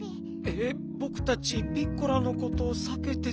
えっぼくたちピッコラのことさけてたのに？